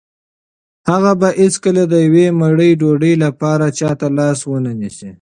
هغه به هیڅکله د یوې مړۍ ډوډۍ لپاره چا ته لاس ونه نیسي.